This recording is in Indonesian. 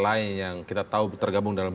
lain yang kita tahu tergabung dalam